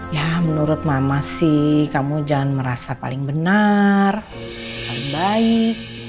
ya menurut mama sih kamu jangan merasa paling benar paling baik